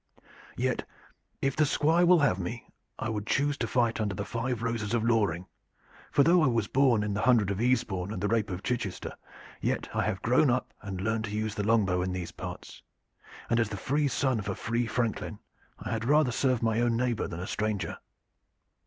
Yet, if the Squire will have me, I would choose to fight under the five roses of Loring, for though I was born in the hundred of Easebourne and the rape of Chichester, yet I have grown up and learned to use the longbow in these parts, and as the free son of a free franklin I had rather serve my own neighbor than a stranger."